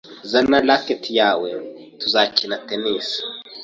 Zana racket yawe tuzakina tennis.